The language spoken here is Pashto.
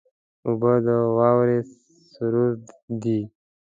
اوبه د واورې سرور دي.